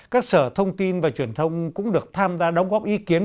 các sở thông tin và truyền thông cũng được tham gia đóng góp ý kiến